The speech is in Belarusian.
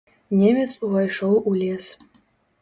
Немец увайшоў у лес.